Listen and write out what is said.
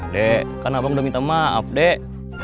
dek kan abang udah minta maaf up dek